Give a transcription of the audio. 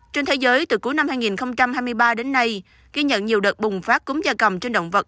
trên thế giới từ cuối năm hai nghìn hai mươi ba đến nay ghi nhận nhiều đợt bùng phát cúm da cầm trên động vật